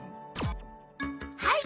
はい！